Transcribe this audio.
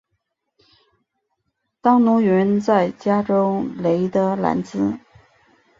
当奴云在加州雷德兰兹。